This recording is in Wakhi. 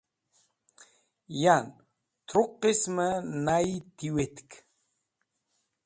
Yan, tru qismẽ nayi tiwetk.